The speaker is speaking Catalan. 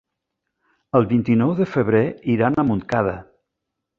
El vint-i-nou de febrer iran a Montcada.